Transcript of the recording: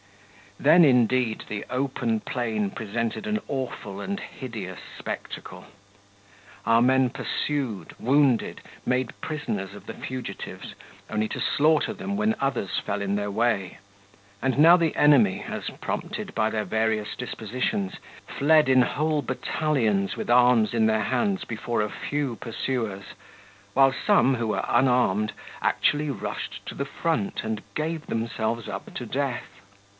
Then, indeed, the open plain presented an awful and hideous spectacle. Our men pursued, wounded, made prisoners of the fugitives only to slaughter them when others fell in their way. And now the enemy, as prompted by their various dispositions, fled in whole battalions with arms in their hands before a few pursuers, while some, who were unarmed, actually rushed to the front and gave themselves up to death.